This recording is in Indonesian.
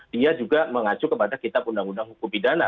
dia juga mengacu kepada kitab undang undang hukum pidana